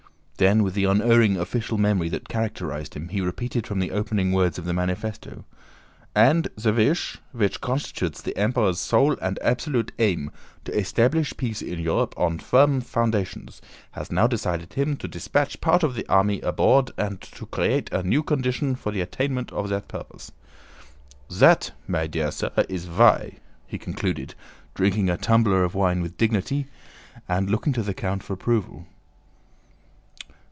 Then with the unerring official memory that characterized him he repeated from the opening words of the manifesto: ... and the wish, which constitutes the Emperor's sole and absolute aim—to establish peace in Europe on firm foundations—has now decided him to despatch part of the army abroad and to create a new condition for the attainment of that purpose. "Zat, my dear sir, is vy..." he concluded, drinking a tumbler of wine with dignity and looking to the count for approval.